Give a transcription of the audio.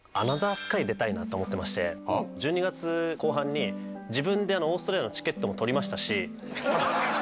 なと思ってまして１２月後半に自分でオーストラリアのチケットも取りましたし。